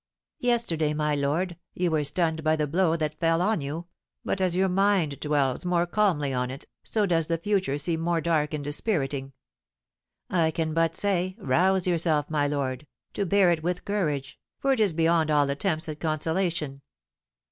"Yesterday, my lord, you were stunned by the blow that fell on you, but as your mind dwells more calmly on it, so does the future seem more dark and dispiriting. I can but say, rouse yourself, my lord, to bear it with courage, for it is beyond all attempts at consolation."